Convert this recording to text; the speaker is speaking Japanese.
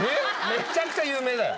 めっちゃくちゃ有名だよ